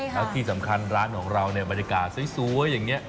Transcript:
แล้วที่สำคัญร้านของเราเนี่ยบรรยากาศสวยอย่างนี้